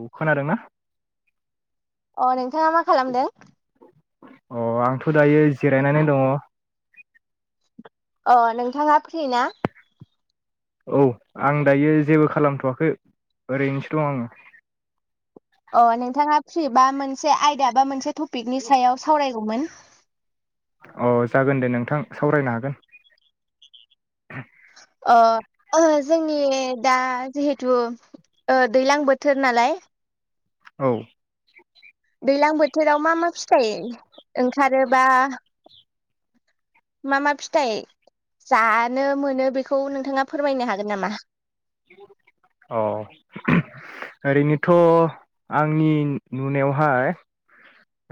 औ खोनादोंना? अ नों थाङा मा खालामदों? अ आंथ दायो जिरायनानै दङ अ नोंथाङा फ्रि ना? औ आं दायो जेबो खालामथआखै ओरैनोसो दं आङो अ नोंथाङा फ्रि बा मोनसे आयदा बा मोनसे टपिकनि सायाव सावरायगौमोन अ जागोन दे नोंथां सावरायनो हागोन ओहो जोंनि दा जिहेथु दैलां बोथोर नालाय औ दैलां बोथोराव मा मा फिथाय ओंखारोबा मा मा फिथाइ जानो मोनो बेखौ नोंथाङा फोरमायनो हागोन नामा? अ ओरैनोथ आंनि नुनायावहाय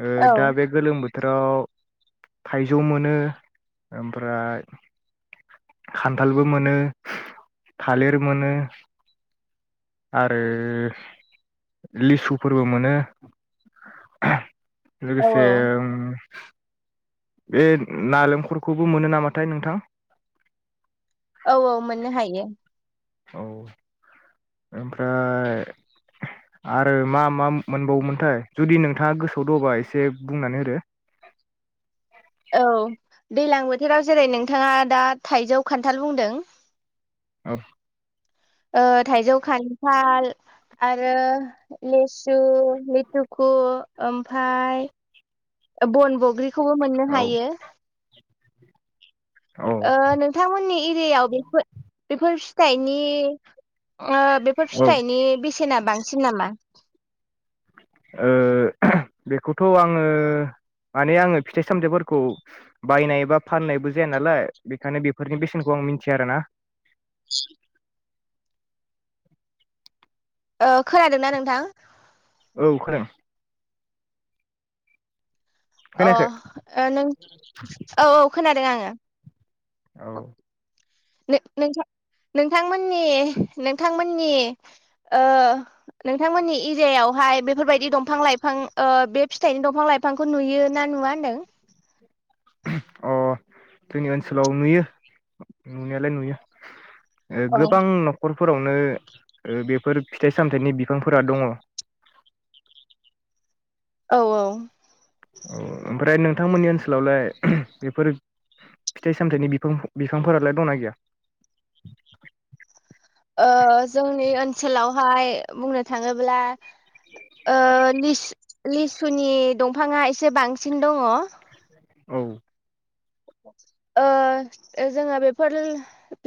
ओ औ दा बे गोलोम बोथ थोराव थाइजौ मोनो ओमफ्राय खान्थालबो मोनो थालिर मोनो आरो लिसुफोरबो मोनो औ लोगोसे ओम बे नालेंखलखौबो मोनो नामाथाय नोंथां औ औ मोननो हायो औ ओमफ्राय आरो मा मा मोनबावोमोनथाय जुदि नोंथाङा गोसोआव दङबा एसे बुंनानै होदो औ दैलां बोथोराव जेरै नोंथाङा दा थाइजौ खान्थाल बुंदों औ ओ थाइजौ खान्थाल आरो लेस सु लिटुखु ओमफाय बन बग्रि खौबो मोननो औ हायो औ ओ नोंथांमोननि एरियायाव बेफोर बेफोर फिथाइनि ओ बेफोर औ ओ फिथाइनि बेसेना बांसिन नामा? ओ बेखौथ आङो माने आङो फिथाइ सामथाइफोरखौ बायनाय बा फाननायबो जाया नालाय बेखायनो बेफोरनि बेसेनखौ आं मिथिया आरोना [inaudible] खोनादोंना नोंथां औ खोनादों खोनायाखै अ नों औ औ खोना दों आङो औ नों-नोंथां नोंथांमोननि नोंथांमोननि ओ नोंथांमोननि एरियायावहाय बेफोरबायदि दंफां लाइफां ओ बे फिथाइनि दंफां लाइफांखौ नुयो ना नुवा होनदों अ जोंनि ओनसोलाव नुयो नुनायालाय नुयो ओ औ गोबां नखर फोरावनो बेफोर फिथाइ सामथाइनि बिफांफोरा दङ। औ औ औ ओमफ्राय नोंथांमोननि ओनसोलावलाय बेफोर फिथाइ सामथायाइनि बिफां बिफांफोरालाय दंना गैया? ओ जोंनि ओनसोलावहाय बुंनो थाङोब्ला ओ लिस-लिसुनि दंफाङा एसे बांसिन दङ। औ ओ जोङो बेफोर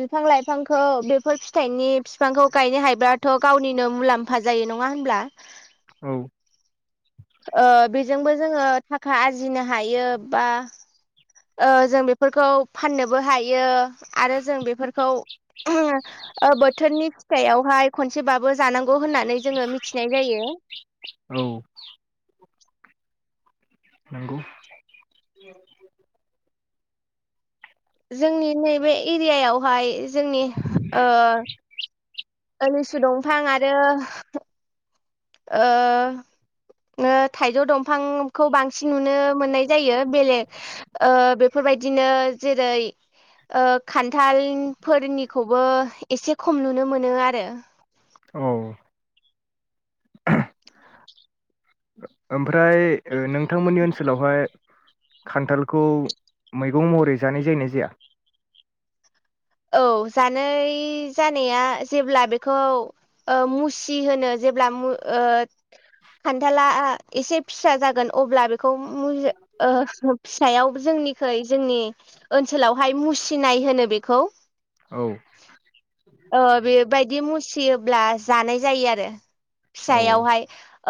बिफां लाइफांखौ बेफोर फिथाइनि बिफांखौ गायनो हायोब्लाथ गावनिनो मुलाम्फा जायो नङा होनब्ला औ ओ बेजोंबो जोङो थाखा आरजिनो हायो बा ओ जों बेफोरखौ फाननोबो हायो आरो जों बेफोरखौ बोथोरनि फिथाइयावहाय खनसेबाबो। जानांगौ होननानै जोङो मिथिनाय जायो। औ नंगौ। जोंनि नैबे एरियायावहाय जोंनि ओ। लिसु दंफां आरो ओ थाइजौ दंफांखौ बांसिन नुनो मोननाय जायो बेलेग ओ बेफोरबायदिनो जेरै ओ खान्थालफोरनिखौबो एसे खम नुनो मोनो आरो। औ। ओमफ्राय नों। थांमोननि ओनसोलावहाय खान्थालखौ मैगं महरै जानाय जायोना जाया? औ जानाय जानाया जेब्ला बेखौ ओ मुसि होनो जेब्ला मु ओ खान्थाला एसे फिसा जागोन अब्ला बेख खौ मुजि ओ। फिसायाव जोंनिखै जोंनि ओनसोलावहाय मुसिनाय होनो बेखौ [unintelligible] औ अ बे बायद बिदि मुसियोब्ला जानाय जायो आरो औ फिसायावहाय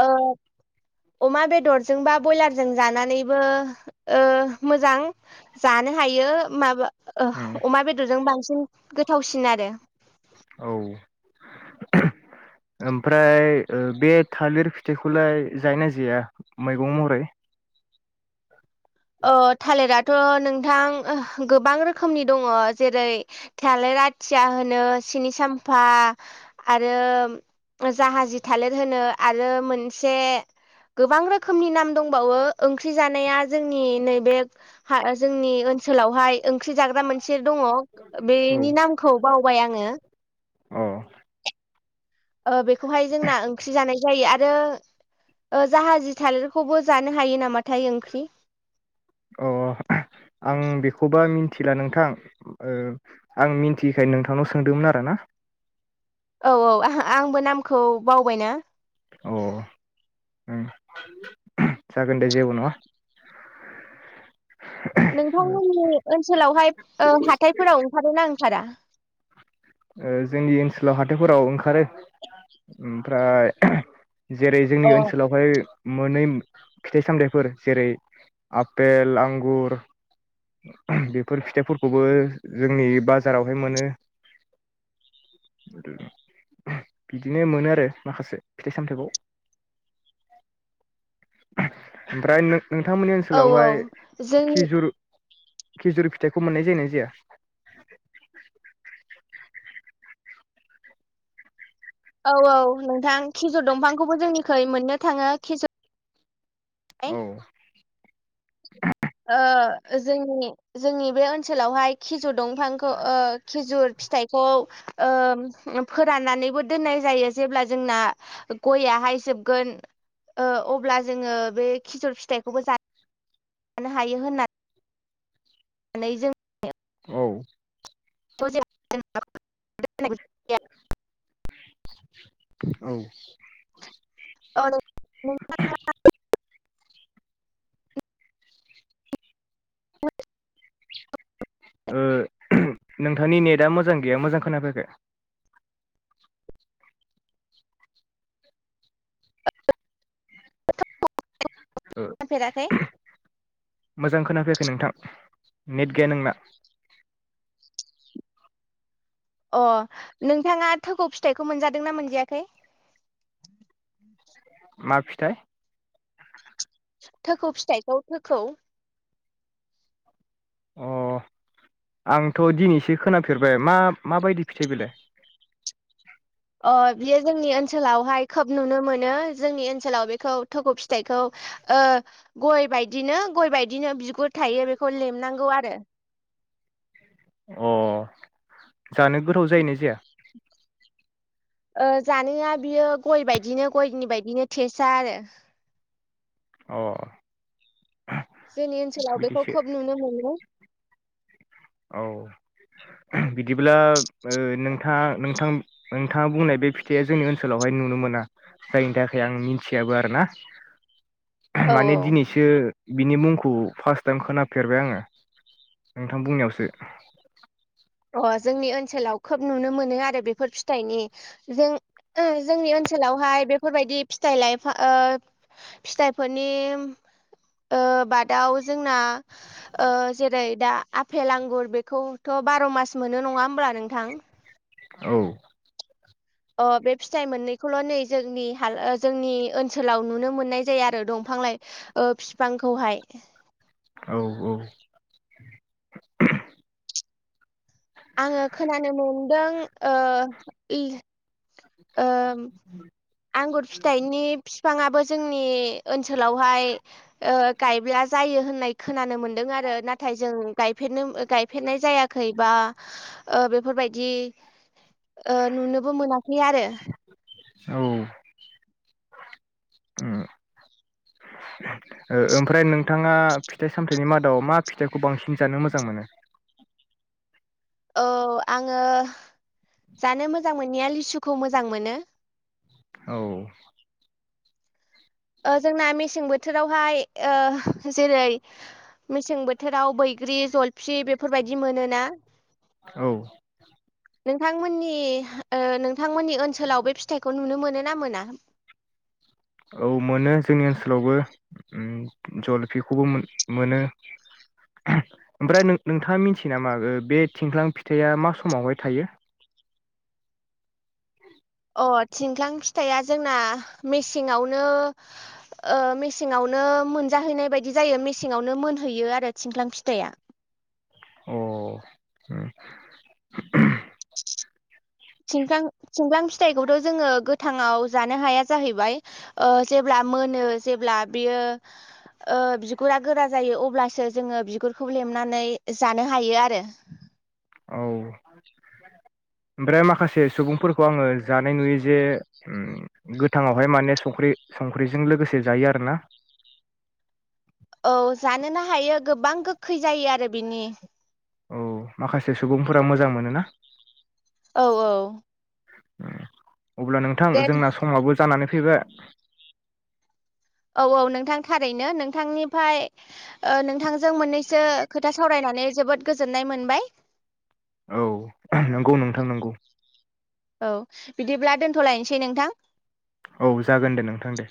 ओ। अमा बेदरजों बा बयलारजों जानानैबो ओ मोजां जानो हायो माबा ओ उम अमा बेदरजों बांसिन गोथावसिन आरो। ओहो ओमफ्राय ओ बे थालिर फिथाइखौलाय जायना जाया मैगं महरै? ओ थालिराथ नोंथां ओह गोबां रोखोमनि दङ जेरै थालिर आथिया होनो, सिनि साम्फा आरो जाहाजि थालिर होनो आरो मोनसे गोबां रोखोमनि नाम दंबावो ओंख्रि जानाया जोंनि नैबे हा-जोंनि ओनसोलावहाय ओंख्रि जाग्रा मोन से दङ औ बेनि नामखौ बावबाय आङो अ। ओ बेखौहाय जोंना ओंख्रि जानाय जायो आरो ओ जाहाजि थालिरखौबो जानो हायो नामाथाय ओंख्रि। अ आं बेखौबा मिथिला नोंथां ओ आं मिथियैखाय नोंथांनाव सोंदोंमोन आरो ना? औ औ आहा आंबो नामखौ बावबाय ना। अ उम जागोन दे जेबो नङा। नोंथांमोननि ओनसोलावहाय ओ हाथाइफोराव ओंखारोना ओंखार खारा ओ जोंनि ओनसोलाव हाथाइफोराव ओंखारो ओमफ्राय ओहो जेरै अ जोंनि ओनसोलावहाय मोनै फिथाइ-सामथायाइफोर जेरै आपेल, आंगुर बेफोर फिथाइफोरखौबो जोंनि बाजारावहाय मोनो [inaudible] बिदिनो मोनो आरो माखासे फिथाइ सामथाइखौ [inaudible] ओमफ्राय नों नोंथांमोननि औ औ ओनसोलावहाय जोंनि खिजुर खेजुरि फिथाइखौ मोननाय जायोना जाया? औ औ नोंथां खिजुर दंफांखौबो जोंनिखै मोननो थाङो खिजुर नै औ जोंनि जोंनि बे ओनसोलावहाय खिजुर दंफांखौ ओ खिजुर फिथाइखौ ओ फोराननानैबो दोननाय जायो जेब्ला जोंना गयाहाय जोबगोन ओ अब्ला जोङो बे खिजुर फिथाइखौबो जा जानो हायो होननानै नानै जोङो औ [unintelligible] [unintelligible] औ अ [unintelligible] [unintelligible] ओ नोंथांनि नेटआ मोजां गैया मोजां खोनाफैयाखै। ओ मोनफेराखै ओम मोजां खोनाफै नोंथां नेट गैया नोंना अ नोंथाङा थखौ फिथाइखौ मोनजादोंना मोनजायाखै? मा फिथाइ? थोखौ फिथाइखौ थोखौ अ आंथ दिनैसो खोनाफेरबाय मा माबायदि फिथाइ बेलाय ओ बियो जोंनि ओनसोलावहाय खोब नुनो मोनो जोंनि ओनसोलाव बेखौ थौखौ फिथाइखौ ओ गय बायदिनो गय बायदिनो बिग बो थायो बेखौ लेमनांगौ आरो अ जानो गोथाव जायोना जाया ओ जानाया बियो गय बायदिनो गयनि बायदिनो टेसआ आरो अ जोंनि ओनसोलाव बेखौ बिदिसो खोब नुनो मोनो। औ बिदिब्ला नोंथा-नोंथां नोंथाङा बुंनाय बे फिथाइया जोंनि ओनसोलावहाय नुनो मोना जायनि थाखाय आं मिथियाबो आरोना औ माने दिनैसो बिनि मुंख खौ फार्स्ट टाइम खोनाफेरबाय आङो नोंथां बुंनायावसो सो। अह जोंनि ओनसोलाव खोब नुनो मोनो आरो बेफोर फिथाइनि जों जोंनि ओनसोलावहाय बेफोरबायदि फिथाइ लाइफा ओ फिथाइफोरनि ओ बादाव जोंना ओ जेरै दा आफेल आंगुर बेखौथ बार मास मोनो नङा होमब्ला नोंथां औ अ बे फिथाइ मोननैखौल नै जोंनि हाला ओ जोंनि ओनसोलाव नुनो मोननाय जायो आरो दंफां लाइ ओ फिफांखौहाय। औ औ आङो खोनानो मोनदों ओ ओम आंगुर फिथाइनि फिफाङाबो जोंनि ओनसोलावहाय ओ गायब्ला जायो होननाय खोनानो मोनदों आरो नाथाय जों गायफेरनो गायफेरनाय जायाखै बा ओ बेफोरबायदि ओ नुनोबो मोना खै आरो औ उम ओ ओमफ्राय नोंथाङा फिथाइ सामथायाइनि मादाव मा फिथाइखौ बांसिन जानो मोजां मोनो? औ आङो जानो मोजां मोननाया लिसुखौ मोजां मोनो। औ ओ जोंना मेसें बोथोरावहाय ओ जेरै मेसें बोथो राव बैग्रि, जलफि बे फोरबायदि मोनोना? औ। नोंथांमोननि ओ नोंथांमोननि ओनसोलाव बे फिथाइखौ नुनो मोनो मोनोना मोना? औ मोनो जोंनि ओनसोलावबो। ओम जलफिखौबो मो-मोनो। ओमफ्राय नों नोंथाङा मिथियो नामा ओ बे थिंख्लां फिथाइया मा समावहाय थायो? अ थिंख्लां फिथाइया जोंना मेसेङावनो ओ मेसेङावनो मोनजाहैनाय बायदि जायो मेसेङावनो मोनहैयो आरो थिंख्लां फिथाइया। अ ओम। थिंख्लां थिंख्लां फिथाइखौथ जोङो गोथाङाव जानो हाया जाहैबाय ओ जेब्ला मोनो जेब्ला बियो ओ बिगुरा गोरा जायो अब्लासो जोङो बिगुरखौ लेमनानै जानो हायो आरो। औ ओमफ्राय माखासे सुबुंफोरखौ आङो जानाय नुयो जे गोथाङावहाय माने संख्रि संख्रिजों लोगोसे जायो आरोना। औ जानोनो हायो गोबां गोखै जायो आरो बिनि औ माखासे सुबुंफोरा मोजां मोनो ना? औ औ अब्ला नोंथां दे जोंना समाबो जानानै फैबाय औ औ नोंथां थारैनो नोंथांनिफ्राय ओ नोंथांजों मोननैसो खोथा सावरायनानै जोबोद गोजोननाय मोनबाय। औ नंगौ नोंथां नंगौ। औ बिदिब्ला दोन्थ'लायनोसै नोंथां। औ जागोन दे नोंथां दे।